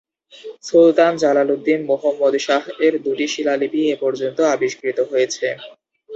সুলতান জালালুদ্দীন মুহম্মদ শাহ-এর দু’টি শিলালিপি এ পর্যন্ত আবিষ্কৃত হয়েছে।